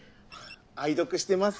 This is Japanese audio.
愛読してます。